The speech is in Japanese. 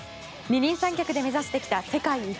二人三脚で目指してきた世界一。